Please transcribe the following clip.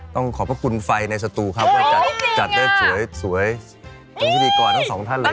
ต้องขอประกุนไฟในสตูครับจัดได้สวยจริงที่ดีกว่าทั้งสองท่านเลยด้วย